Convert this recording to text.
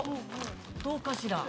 どうかしら？